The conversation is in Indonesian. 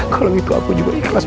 kalau gitu aku juga ikhlas